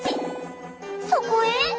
そこへ！